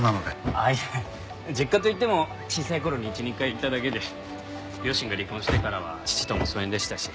あっいえ実家といっても小さい頃に１２回行っただけで両親が離婚してからは父とも疎遠でしたし。